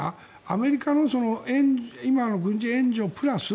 アメリカの今の軍事援助プラス